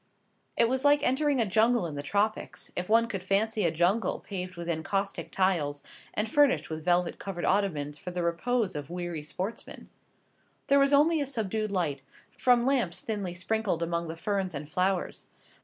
It was like entering a jungle in the tropics; if one could fancy a jungle paved with encaustic tiles, and furnished with velvet covered ottomans for the repose of weary sportsmen. There was only a subdued light, from lamps thinly sprinkled among the ferns and flowers.